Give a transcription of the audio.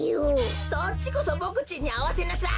そっちこそボクちんにあわせなさい！